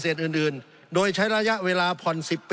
สงบจนจะตายหมดแล้วครับ